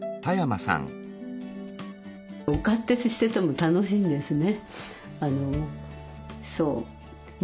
お勝手してても楽しいんですね。